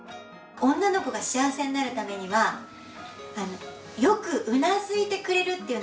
女の子が幸せになるためにはよくうなずいてくれるというのがうれしいんです。